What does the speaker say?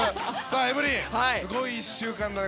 エブリン、すごい１週間だね。